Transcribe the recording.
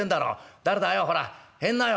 誰だよほら入んなよ。